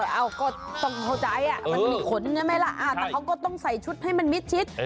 เอ้าก็ต้องเข้าใจมันมีขนใช่ไหมล่ะแต่เขาก็ต้องใส่ชุดให้มันมิดชิด